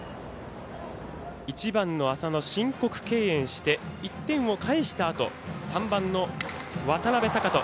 １番の浅野を申告敬遠して１点を返したあと３番の渡邊升翔。